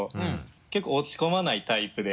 結構落ち込まないタイプで。